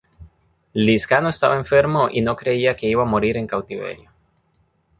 Lizcano estaba enfermo y no creía que iba a morir en cautiverio.